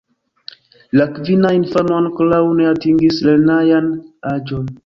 La kvina infano ankoraŭ ne atingis lernejan aĝon.